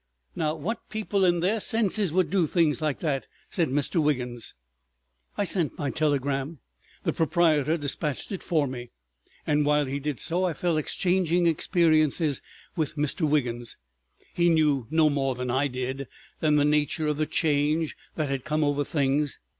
_" "Now, what people in their senses would do things like that?" said Mr. Wiggins. I sent my telegram—the proprietor dispatched it for me, and while he did so I fell exchanging experiences with Mr. Wiggins. He knew no more than I did then the nature of the change that had come over things.